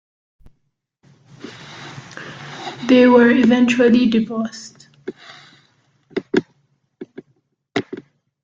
They were eventually divorced.